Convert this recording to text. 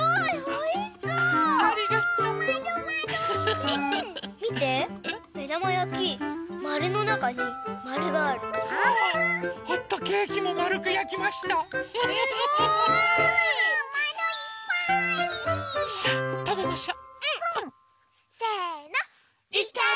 おいしそう。